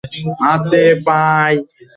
Shampoo আনি নাই, ভাই।